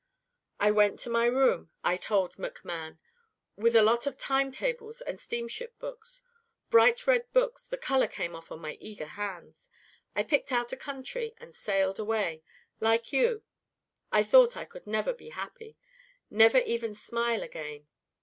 "'I went to my room,' I told McMann, 'with a lot of time tables and steamship books. Bright red books the color came off on my eager hands. I picked out a country, and sailed away. Like you, I thought I could never be happy, never even smile, again.